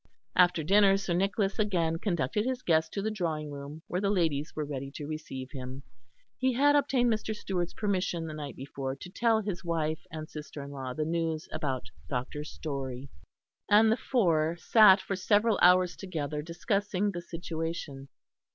After dinner Sir Nicholas again conducted his guest to the drawing room, where the ladies were ready to receive him. He had obtained Mr. Stewart's permission the night before to tell his wife and sister in law the news about Dr. Storey; and the four sat for several hours together discussing the situation.